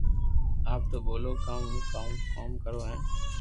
آپ تو ٻولو ڪاو ھون ڪرو ڪاوُ ھين